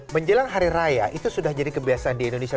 menjelang hari raya itu sudah jadi kebiasaan di indonesia